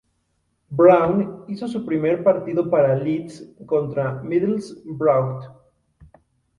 Brown hizo su primer partido para Leeds contra Middlesbrough.